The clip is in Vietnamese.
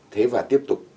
thế và tiếp tục